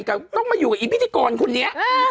ต้องมาอยู่กับพี่พิธีกรคุณนี้